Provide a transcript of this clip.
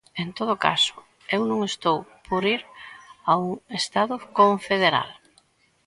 En todo caso, eu non estou por ir a un Estado confederal.